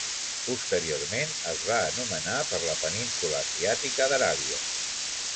Posteriorment es va anomenar per la península asiàtica d'Aràbia.